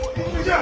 あ！